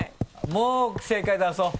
もう正解出そう。